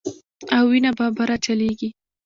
او وينه به بره چليږي